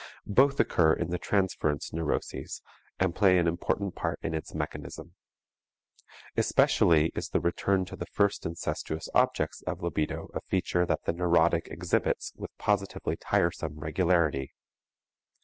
Both occur in the transference neuroses and play an important part in its mechanism. Especially is the return to the first incestuous objects of libido a feature that the neurotic exhibits with positively tiresome regularity.